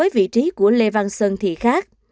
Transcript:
vị trí của lê văn xuân thì khác